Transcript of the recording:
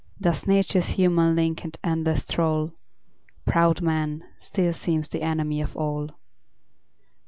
Thus nature's human link and endless thrall, Proud man, still seems the enemy of all.